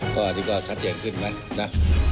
ก็อันนี้ก็ชัดเจนขึ้นไหมนะ